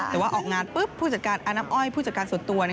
แต่ว่าออกงานปุ๊บผู้จัดการอาน้ำอ้อยผู้จัดการส่วนตัว